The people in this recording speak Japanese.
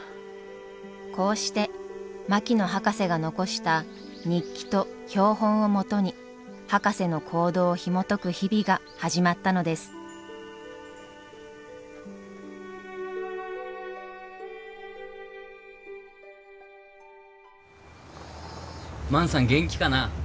こうして槙野博士が残した日記と標本をもとに博士の行動をひもとく日々が始まったのです万さん元気かな？